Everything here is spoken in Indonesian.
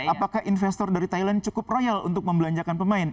apakah investor dari thailand cukup royal untuk membelanjakan pemain